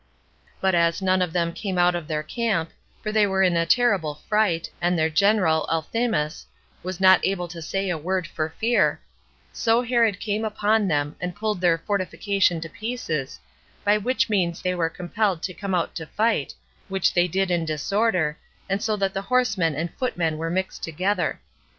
But as none of them came out of their camp, for they were in a terrible fright, and their general, Elthemus, was not able to say a word for fear, so Herod came upon them, and pulled their fortification to pieces, by which means they were compelled to come out to fight, which they did in disorder, and so that the horsemen and foot men were mixed together.